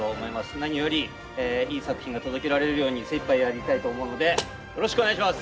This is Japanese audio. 何よりいい作品が届けられるように精いっぱいやりたいと思うのでよろしくお願いします。